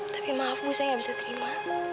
tapi maaf bu saya nggak bisa terima